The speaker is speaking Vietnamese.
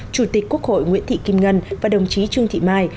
chủ tịch quốc hội nguyễn thị kim ngân và đồng chí trương thị mai